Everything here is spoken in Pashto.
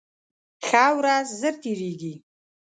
ښه ورځ ژر تېرېږي